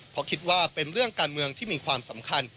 เพราะคิดว่าเป็นเรื่องการเมืองที่มีความสำคัญ